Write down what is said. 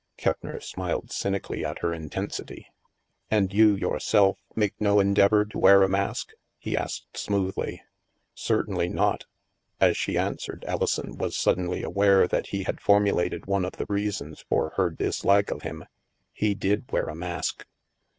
Keppner smiled cynically at her intensity. " And you, yourself, make no endeavor to wear a mask ?" he asked smoothly. " Certainly not." As she answered, Alison was suddenly aware that he had formulated one of the reasons for her dislike of him. He did wear a mask.